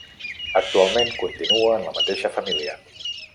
Actualment continua en la mateixa família.